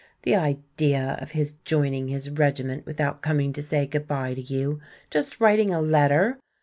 The idea of his joining his regiment without coming to say good by to you just writing a letter!